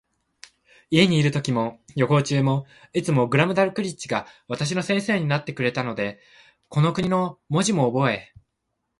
家にいるときも、旅行中も、いつもグラムダルクリッチが私の先生になってくれたので、この国の文字もおぼえ、